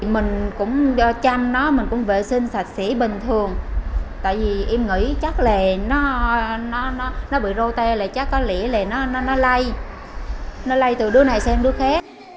mình cũng chăm nó mình cũng vệ sinh sạch xỉ bình thường tại vì em nghĩ chắc là nó bị rô te là chắc có lĩa là nó lây nó lây từ đứa này sang đứa khác